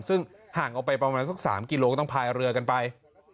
ซึ่งห่างออกไปประมาณสัก๓กิโลก็ต้องพายเรือกันไป